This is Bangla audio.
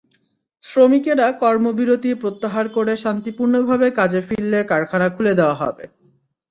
শ্রমিকেরা কর্মবিরতি প্রত্যাহার করে শান্তিপূর্ণভাবে কাজে ফিরলে কারখানা খুলে দেওয়া হবে।